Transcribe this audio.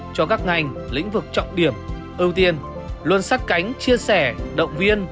cho các ngành lĩnh vực trọng điểm ưu tiên luôn sắt cánh chia sẻ động viên